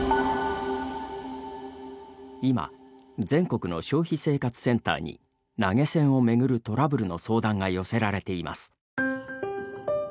今、全国の消費生活センターに投げ銭を巡るトラブルの相談が寄せられています。